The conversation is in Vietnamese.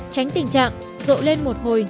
tránh tình trạng rộ lên một hồi